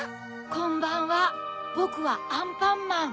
こんばんはぼくはアンパンマン。